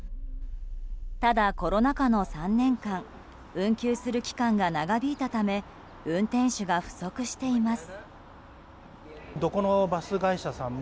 ただ、コロナ禍の３年間運休する期間が長引いたため運転手が不足しています。